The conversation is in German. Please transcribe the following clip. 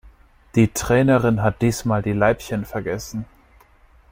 Die Trainerin hat diesmal die Leibchen vergessen.